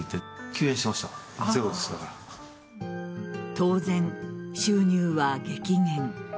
当然、収入は激減。